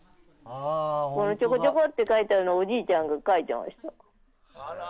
ちょこちょこと書いてあるのはおじいちゃんが書いてました。